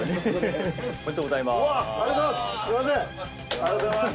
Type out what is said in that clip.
ありがとうございます。